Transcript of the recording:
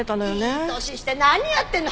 いい年して何やってんの！